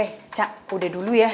eh cak udah dulu ya